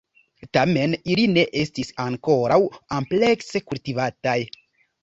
Tamen, ili ne estis ankoraŭ amplekse kultivataj.